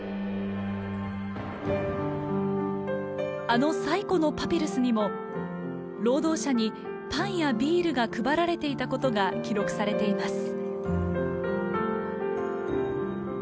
あの最古のパピルスにも労働者にパンやビールが配られていたことが記録されています。